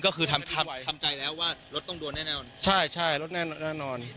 ก็คือทำทำใจแล้วว่ารถต้องโดนแน่นอนใช่ใช่รถแน่แน่นอน